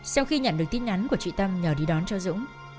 sau khi nhận được tin nhắn của chị tâm nhờ đi đón cho dũng